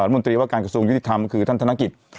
มนตรีว่าการกระทรวงยุติธรรมคือท่านธนกิจ